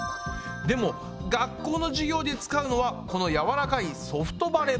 でも学校の授業で使うのはこのやわらかいうん。